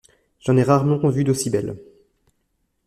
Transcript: J’en ai rarement vu d’aussi belle.